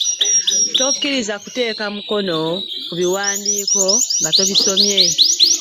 Tokkiriza kuteeka Mukono kubiwaandiika nga tobisomyemu.